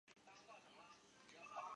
白化病狗是不合标准的。